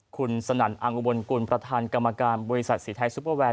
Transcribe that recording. คุณสนั่นอังอุบลกุลประธานกรรมการบริษัทสีไทยซุปเปอร์แวร์